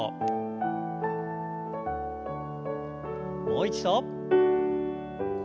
もう一度。